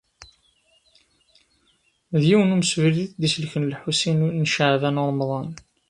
D yiwen umsebrid i d-iselken Lḥusin n Caɛban u Ṛemḍan.